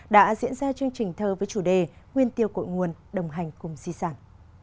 đã diễn ra chương trình thơ với chủ đề nguyên tiêu cội nguồn đồng hành cùng di sản